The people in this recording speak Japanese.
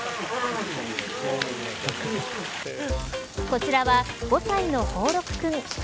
こちらは５歳の宝六くん。